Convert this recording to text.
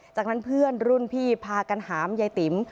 จากนั้นเพื่อนรุ่นพี่พากันหามยายติ๋ม